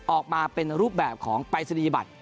ออกมาเป็นรูปแบบของปรายศนียบัตร